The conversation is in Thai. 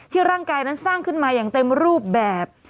ร่างกายนั้นสร้างขึ้นมาอย่างเต็มรูปแบบ